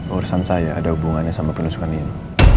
urusan saya ada hubungannya sama penusukan ini